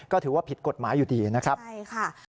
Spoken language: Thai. ก็ถือว่าผิดกฎหมายอยู่ดีนะครับใช่ค่ะ